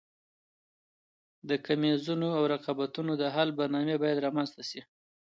د کميزونو او رقابتونو د حل برنامې باید رامنځته سي.